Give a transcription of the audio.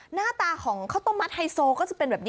หน้าตาของข้าวต้มมัดไฮโซก็จะเป็นแบบนี้